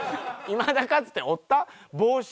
いまだかつておった？